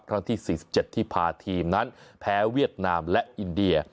ที่๔๗ที่พาทีมนั้นแพ้เวียดนามและอินเดีย